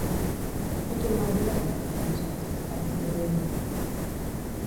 De quin àlbum és aquesta cançó que s'està reproduint?